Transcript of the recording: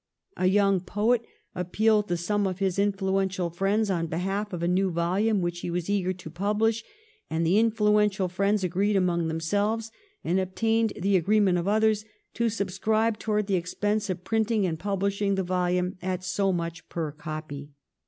A young poet appealed to some of his influential friends on behalf of a new volume which he was eager to publish, and the influential friends agreed among themselves, and obtained the agreement of others, to subscribe towards the expense of printing and publishing the volume at so much per copy.